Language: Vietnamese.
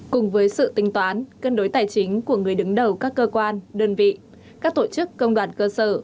cùng với sự tính toán cân đối tài chính của người đứng đầu các cơ quan đơn vị các tổ chức công đoàn cơ sở